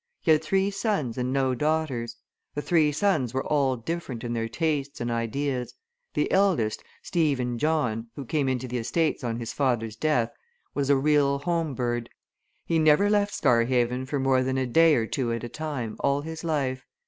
He had three sons and no daughters. The three sons were all different in their tastes and ideas; the eldest, Stephen John, who came into the estates on his father's death, was a real home bird he never left Scarhaven for more than a day or two at a time all his life.